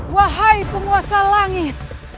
wahai penguasa langit